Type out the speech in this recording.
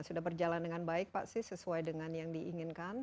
sudah berjalan dengan baik pak sih sesuai dengan yang diinginkan